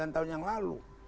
sembilan tahun yang lalu